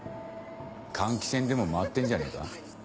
換気扇でも回ってんじゃねえか？